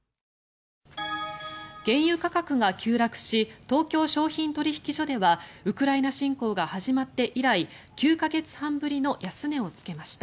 原油価格が急落し東京商品取引所ではウクライナ侵攻が始まって以来９か月半ぶりの安値をつけました。